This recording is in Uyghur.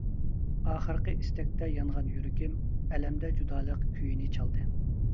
ئاخىرقى ئىستەكتە يانغان يۈرىكىم، ئەلەمدە جۇدالىق كۈيىنى چالدى.